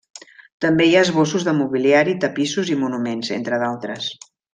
També hi ha esbossos de mobiliari, tapissos i monuments, entre d'altres.